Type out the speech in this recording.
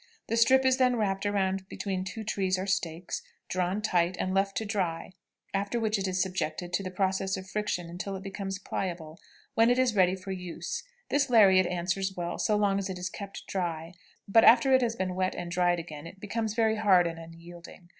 The strip is then wrapped around between two trees or stakes, drawn tight, and left to dry, after which it is subjected to a process of friction until it becomes pliable, when it is ready for use; this lariat answers well so long as it is kept dry, but after it has been wet and dried again it becomes very hard and unyielding.